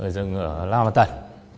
rừng ở la văn tần